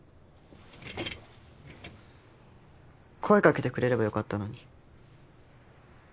声かけてくれればよかったのに。